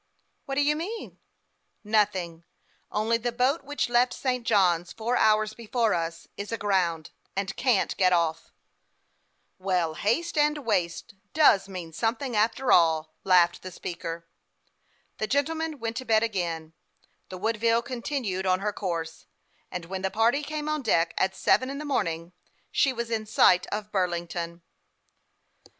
" What do you mean ?"" Nothing, only the boat which left St. Johns four hours before us is aground, and can't get off." " Well, has f e and waste does mean something, after all," laughed the speaker. The gentlemen went to bed again ; the Woodville continued on her course, and when the party came on deck, at seven in the morning, she was in sight of Burlington.